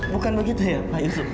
bukan begitu ya pak yusuf